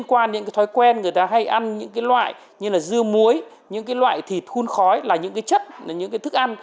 những loại như là dưa muối những loại thịt khun khói là những chất những thức ăn